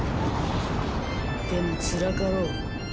でもつらかろう。